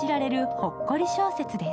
ほっこり小説です。